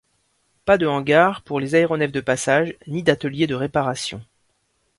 Pas de hangar pour les aéronefs de passage, ni d'atelier de réparation.